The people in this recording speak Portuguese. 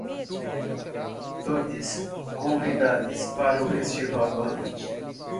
Todes convidades para o festival do Avante